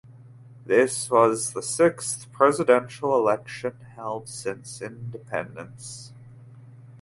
This was the sixth presidential election held since independence.